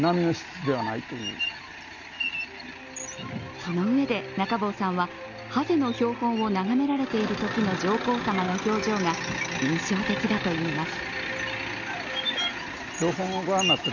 そのうえで中坊さんは、ハゼの標本を眺められているときの上皇さまの表情が印象的だといいます。